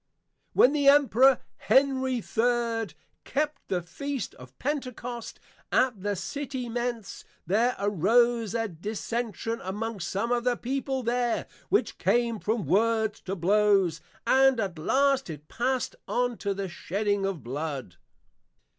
When the Emperour Henry III. kept the Feast of Pentecost, at the City Mentz, there arose a dissension among some of the people there, which came from words to blows, and at last it passed on to the shedding of Blood.